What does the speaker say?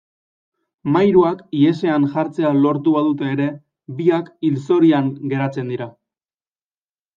Mairuak ihesean jartzea lortu badute ere, biak hilzorian geratzen dira.